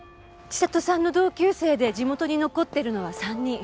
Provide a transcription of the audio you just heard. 千里さんの同級生で地元に残ってるのは３人。